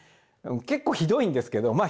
結構ひどいんですけどまあ